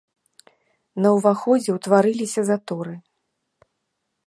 На ўваходзе ўтварыліся заторы.